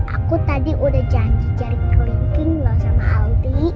aku tadi udah janji jari kelinking loh sama aldi